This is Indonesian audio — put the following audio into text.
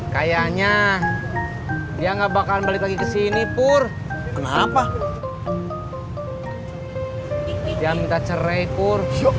kayaknya dia nggak bakal balik lagi ke sini pur kenapa dia minta cerai pur